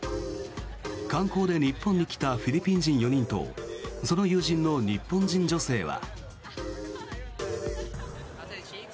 観光で日本に来たフィリピン人４人とその友人の日本人女性は。